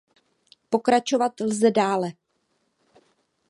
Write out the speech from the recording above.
Pokračovat lze dále.